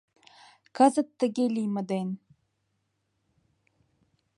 Кызыт тыге лийме ден.